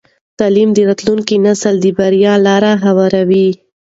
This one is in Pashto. تعلیم د راتلونکي نسل د بریا لاره هواروي.